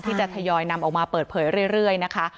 ทยอยนำออกมาเปิดเผยเรื่อยนะคะ